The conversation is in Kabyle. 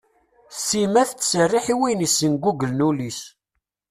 Sima tettserriḥ i wayen yessenguglen ul-is.